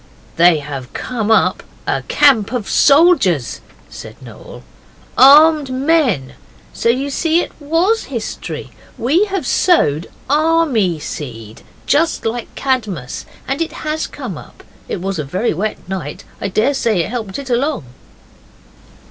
'They have come up a camp of soldiers,' said Noel ARMED MEN. So you see it WAS history. We have sowed army seed, just like Cadmus, and it has come up. It was a very wet night. I daresay that helped it along.